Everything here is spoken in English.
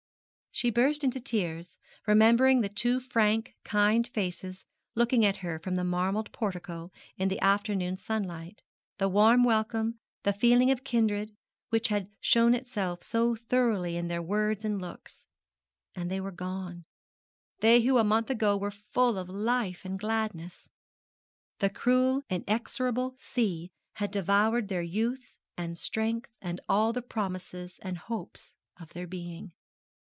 She burst into tears, remembering the two frank, kind faces looking at her from the marble portico, in the afternoon sunlight, the warm welcome, the feeling of kindred which had shown itself so thoroughly in their words and looks. And they were gone they who a month ago were full of life and gladness. The cruel inexorable sea had devoured their youth and strength and all the promises and hopes of their being.